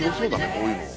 こういうの。